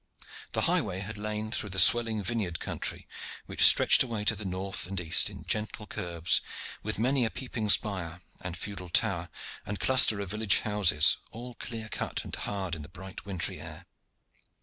The highway had lain through the swelling vineyard country, which stretched away to the north and east in gentle curves, with many a peeping spire and feudal tower, and cluster of village houses, all clear cut and hard in the bright wintry air.